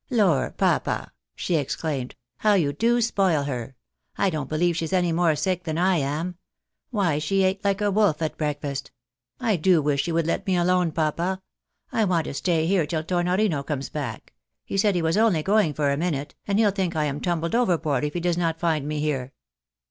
" Lor, papa !" she exclaimed, " how you do spoil her ! I don't believe she's any more sick than I am. Why, she eat like a wolf at breakfast. I do wish you would let me alone, papa. I want to stay here till Tornorino comes back ; he said he was only going for a minute, and he'll think I am tumbled overboard, if he does not find me here."